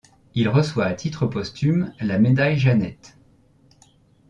Il reçoit à titre posthume la Médaille Jeannette.